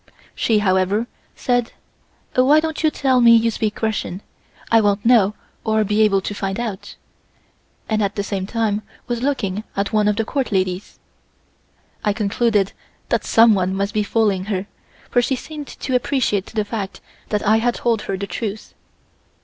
She, however, said: "Why don't you tell me you speak Russian, I won't know or be able to find out," and at the same time was looking at one of the Court ladies. I concluded that someone must be fooling her, for she seemed to appreciate the fact that I had told her the truth.